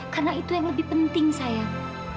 karena itu yang lebih penting sayang